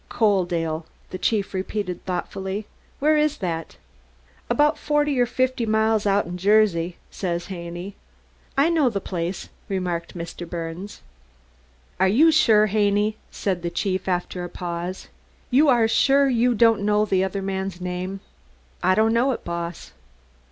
"Coaldale," the chief repeated thoughtfully. "Where is that?" "About forty or fifty miles out'n Jersey" said Haney. "I know the place," remarked Mr. Birnes. "You are sure, Haney?" said the chief after a pause. "You are sure you don't know this other man's name?" "I don't know it, Boss."